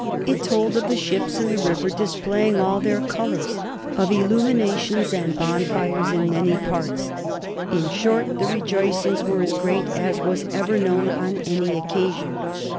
It told of the ships in the river displaying all their colors, of illuminations and bonfires in many parts; "in short, the rejoicings were as great as was ever known on any occasion."